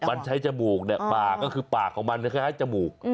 มันใช้จมูกเนี่ยปากก็คือปากของมันคล้ายจมูก